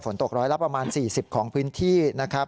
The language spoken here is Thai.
ตกร้อยละประมาณ๔๐ของพื้นที่นะครับ